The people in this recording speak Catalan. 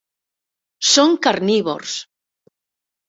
Són carnívors.